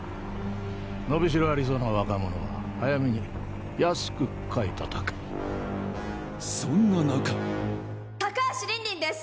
のびしろありそうな若者は早めに安く買いたたくそんな中高橋凜々です